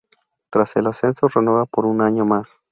Tras el ascenso, renueva por un año más.